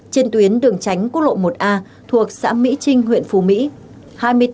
trên tuyến đường tránh quốc lộ một a thuộc xã mỹ trinh huyện phù mỹ